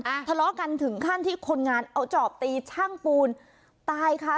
ทะเลาะกันถึงขั้นที่คนงานเอาจอบตีช่างปูนตายค่ะ